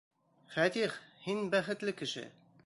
Фәтих, һин бәхетле кеше.